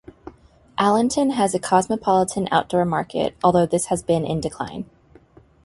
Allenton has a cosmopolitan outdoor market, although this has been in decline.